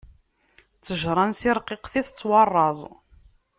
Ṭṭejṛa ansi ṛqiqet, i tettwaṛṛaẓ.